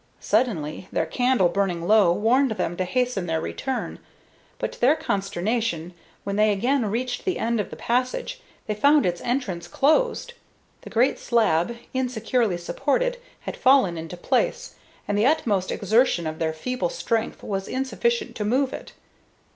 Finally, their candle burning low warned them to hasten their return; but to their consternation, when they again reached the end of the passage, they found its entrance closed. The great slab, insecurely supported, had fallen into place, and the utmost exertion of their feeble strength was insufficient to move it.